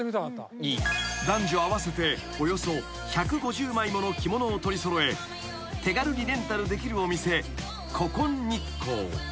［男女合わせておよそ１５０枚もの着物を取り揃え手軽にレンタルできるお店］